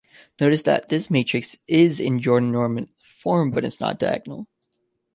Notice that this matrix is in Jordan normal form but is not diagonal.